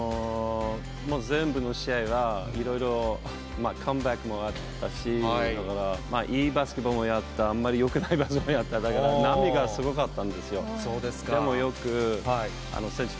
全部の試合が、いろいろカムバックもあったし、だから、いいバスケもやった、あんまりよくないバスケもやった、だから波がすごかったんですよ。